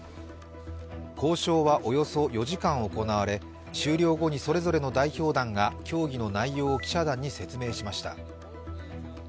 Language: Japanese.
交渉はおよそ４時間行われ終了後にそれぞれの代表団が協議の内容を記者団に説明しました。